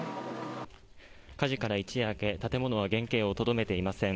火事から一夜明け、建物は原形をとどめていません。